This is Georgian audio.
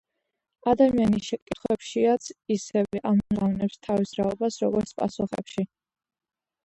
„ადამიანი შეკითხვებშიაც ისევე ამჟღავნებს თავის რაობას, როგორც პასუხებში.”